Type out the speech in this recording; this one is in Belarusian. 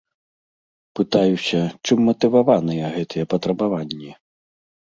Пытаюся, чым матываваныя гэтыя патрабаванні?